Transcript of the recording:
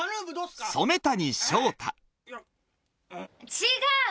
違う！